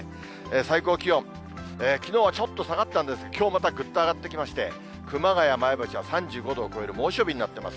最高気温、きのうはちょっと下がったんですが、きょうまたぐっと上がってきまして、熊谷、前橋は３５度を超える猛暑日になってます。